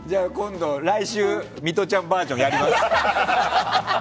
来週、ミトちゃんバージョンやります。